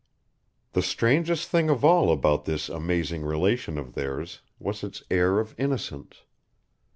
The strangest thing of all about this amazing relation of theirs was its air of innocence.